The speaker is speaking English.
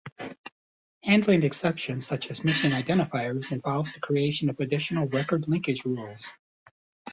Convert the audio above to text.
Handling exceptions such as missing identifiers involves the creation of additional record linkage rules.